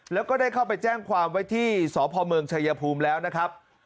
แล้วก็ได้เข้าไปแจ้งความไว้ที่สพเมืองชายภูมิแล้วนะครับ